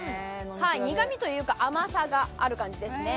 苦みというか甘さがある感じですね。